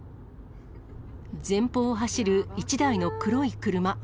前方を走る１台の黒い車。